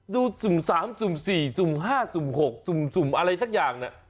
ดูสุ่มสามสุ่มสี่สุ่มห้าสุ่มหกสุ่มสุ่มอะไรทักอย่างเนี่ย